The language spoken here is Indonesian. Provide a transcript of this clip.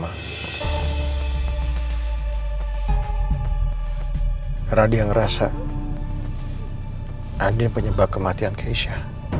karena dia ngerasa andin penyebab kematian keisha